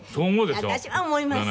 私は思います。